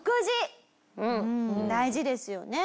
大事ですよね。